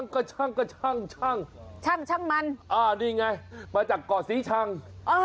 โกนโกนพาสออกโอ้โห